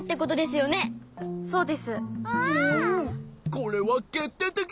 これはけっていてき！